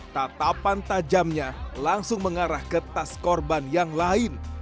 tatapan tajamnya langsung mengarah ke tas korban yang lain